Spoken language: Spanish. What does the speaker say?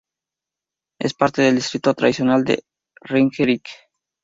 Es parte del distrito tradicional de Ringerike.